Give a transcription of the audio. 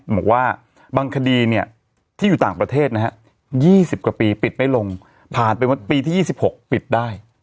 บอกว่าบางคดีเนี่ยที่อยู่ต่างประเทศนะฮะ๒๐กว่าปีปิดไม่ลงผ่านไปปีที่๒๖ปิดได้